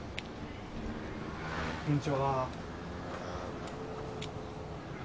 こんにちは。